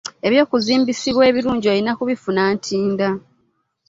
Eby'okuzimbisibwa ebirungi olina kubifuna Ntinda.